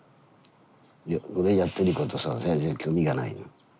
俺やってることさ全然興味がないの。